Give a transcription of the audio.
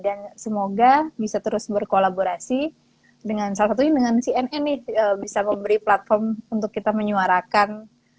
dan semoga bisa terus berkolaborasi dengan salah satunya dengan cnn nih bisa memberi platform untuk kita menyuarakan